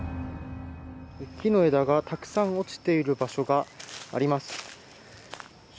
木の枝がたくさん落ちている場所があります。